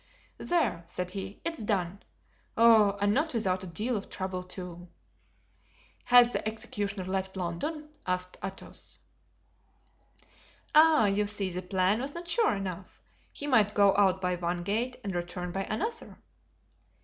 "There," said he, "it's done. Ough! and not without a deal of trouble, too." "Has the executioner left London?" asked Athos. "Ah, you see that plan was not sure enough; he might go out by one gate and return by another."